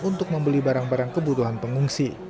untuk membeli barang barang kebutuhan pengungsi